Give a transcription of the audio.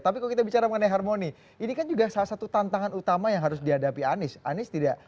tapi kalau kita bicara mengenai harmoni ini kan juga salah satu tantangan utama yang harus dihadapi anies